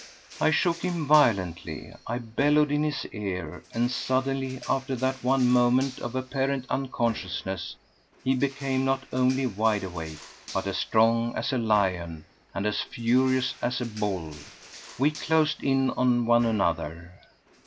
I shook him violently. I bellowed in his ear, and suddenly, after that one moment of apparent unconsciousness, he became, not only wide awake, but as strong as a lion and as furious as a bull. We closed in on one another.